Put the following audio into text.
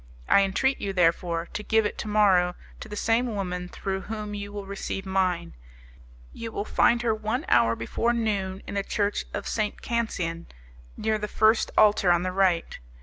I entreat you, therefore, to give it to morrow to the same woman through whom you will receive mine! you will find her one hour before noon in the church of St. Cancian, near the first altar on the right.